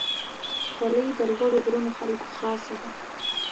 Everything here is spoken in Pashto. خولۍ د لوړو غرونو خلکو خاصه ده.